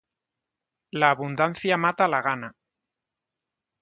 La abundancia mata la gana.